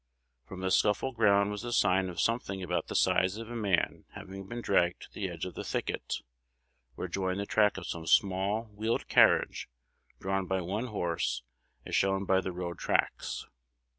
From the scuffle ground was the sign of something about the size of a man having been dragged to the edge of the thicket, where joined the track of some small wheeled carriage drawn by one horse, as shown by the road tracks.